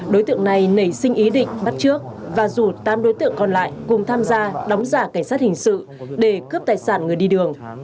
đối tượng này nảy sinh ý định bắt trước và rủ tám đối tượng còn lại cùng tham gia đóng giả cảnh sát hình sự để cướp tài sản người đi đường